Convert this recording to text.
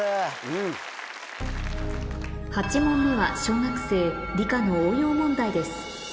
８問目は小学生理科の応用問題です